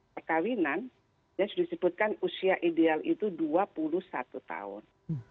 perkawinan ya sudah disebutkan usia ideal itu dua puluh satu tahun